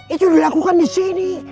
itu dilakukan disini